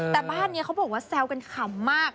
แต่บ้านนี้เขาบอกว่าแซวกันขำมาก